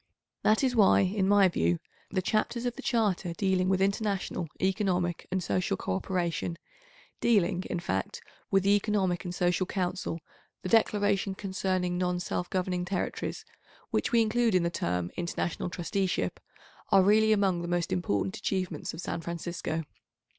That is why, in my view, the chapters of the Charter dealing with international, economic and social co operation, dealing, in fact, with the Economic and Social Council, the Declaration concerning non self governing territories, which we include in the term "International Trusteeship," are really among the most important achievements of San Francisco.